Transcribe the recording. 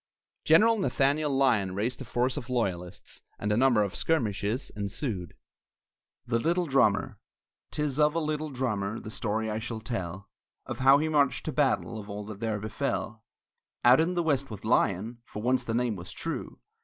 General Nathaniel Lyon raised a force of loyalists, and a number of skirmishes ensued. THE LITTLE DRUMMER 'Tis of a little drummer, The story I shall tell; Of how he marched to battle, Of all that there befell, Out in the west with Lyon (For once the name was true!)